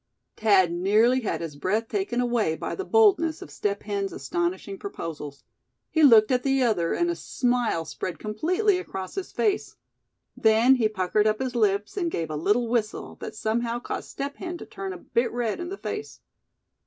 Thad nearly had his breath taken away by the boldness of Step Hen's astonishing proposals. He looked at the other, and a smile spread completely across his face. Then he puckered up his lips, and gave a little whistle, that somehow caused Step Hen to turn a bit red in the face.